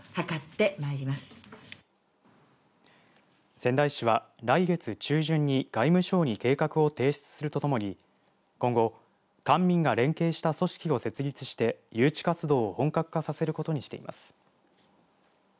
仙台市は、来月中旬に外務省に計画を提出するとともに今後、官民が連携した組織を設立して誘致活動を本格化させることにしています。